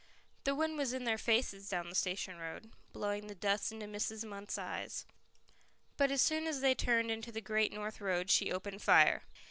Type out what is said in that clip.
The wind was in their faces down the station road, blowing the dust into Mrs. Munt's eyes. But as soon as they turned into the Great North Road she opened fire.